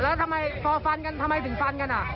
แล้วทำไมพอฟันกันทำไมถึงฟันกัน